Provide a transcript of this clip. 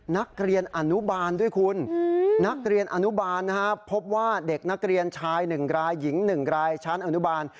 นักเรียนอนุบาลด้วยคุณนักเรียนอนุบาลนะครับพบว่าเด็กนักเรียนชาย๑รายหญิง๑รายชั้นอนุบาล